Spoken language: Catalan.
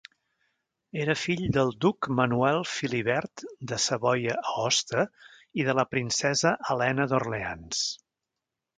Era fill del duc Manuel Filibert de Savoia-Aosta i de la princesa Helena d'Orleans.